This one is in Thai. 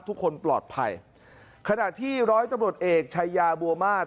ทุกคนปลอดภัยขณะที่ร้อยตำรวจเอกชายาบัวมาส